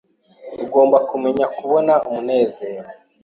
ugomba kumenya kubona umunezero